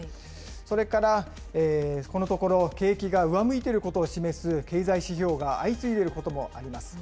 それから、このところ、景気が上向いてることを示す経済指標が相次いでいることもあります。